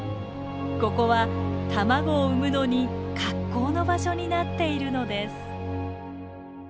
ここは卵を産むのに格好の場所になっているのです。